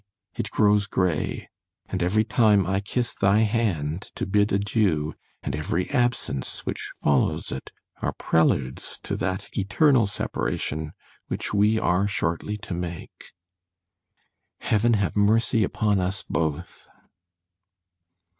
it grows grey; and every time I kiss thy hand to bid adieu, and every absence which follows it, are preludes to that eternal separation which we are shortly to make.—— ——Heaven have mercy upon us both!